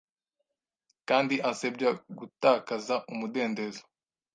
Kandi ansebya gutakaza umudendezo